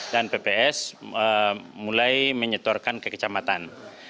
dan pps mulai menyertorkan ke kecamatan